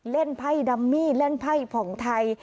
เล่นไพ่ดำมี่เล่นไพ่ผ่องไทย